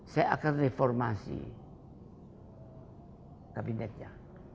saya akan reformasi kabinetnya